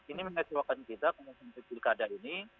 ini mengecewakan kita kalau sampai pilkada ini